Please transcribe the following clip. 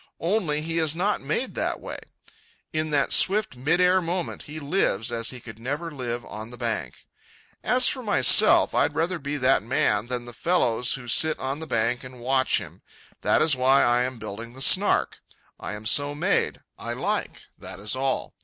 Only he is not made that way. In that swift mid air moment he lives as he could never live on the bank. As for myself, I'd rather be that man than the fellows who sit on the bank and watch him. That is why I am building the Snark. I am so made. I like, that is all.